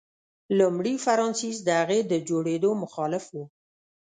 لومړي فرانسیس د هغې د جوړېدو مخالف و.